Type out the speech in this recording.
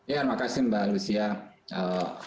terima kasih mbak lucia